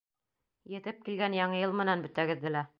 Етеп килгән Яңы йыл менән бөтәгеҙҙе лә...